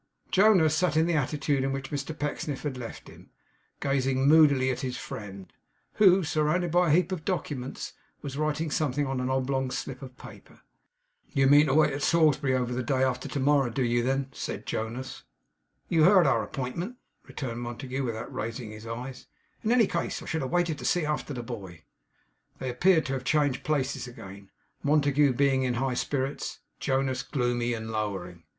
Jonas sat in the attitude in which Mr Pecksniff had left him, gazing moodily at his friend; who, surrounded by a heap of documents, was writing something on an oblong slip of paper. 'You mean to wait at Salisbury over the day after to morrow, do you, then?' said Jonas. 'You heard our appointment,' returned Montague, without raising his eyes. 'In any case I should have waited to see after the boy.' They appeared to have changed places again; Montague being in high spirits; Jonas gloomy and lowering.